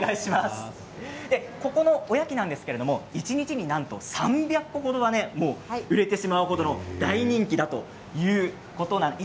ここのおやきなんですけど一日になんと３００個程が売れてしまう程大人気だということなんです。